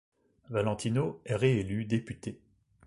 Valentino est réélu député.